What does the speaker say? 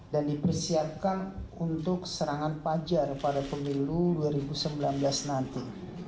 dan dipersiapkan untuk serangan fajar pada pemilu dua ribu sembilan belas nanti